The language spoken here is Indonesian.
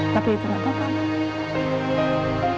tapi itulah bapak